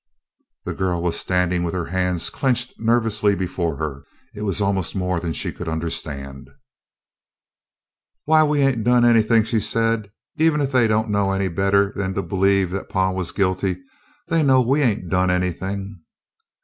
The girl was standing with her hands clenched nervously before her. It was almost more than she could understand. "Why, we ain't done anything," she said. "Even if they don't know any better than to believe that pa was guilty, they know we ain't done anything."